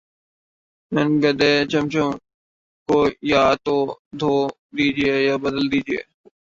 ان گدے چمچوں کو یا تو دھو دیجئے یا بدل دیجئے